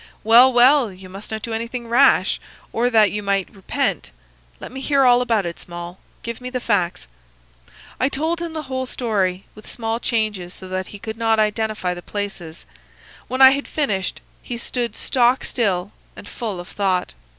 "'Well, well, you must not do anything rash, or that you might repent. Let me hear all about it, Small. Give me the facts.' "I told him the whole story, with small changes so that he could not identify the places. When I had finished he stood stock still and full of thought.